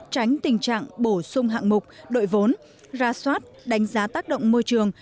tránh tình trạng bổ sung hạng mục đội vốn ra soát đánh giá tác động môi trường